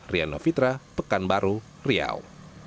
riano fitra pekanbaru riau